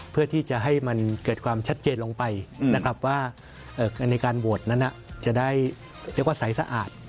เพื่อที่จะให้มันเกิดความชัดเจนลงไปนะครับว่าในการโหวตนั้นจะได้เรียกว่าใสสะอาด